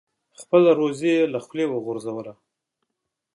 خپله روزي یې له خولې وغورځوله.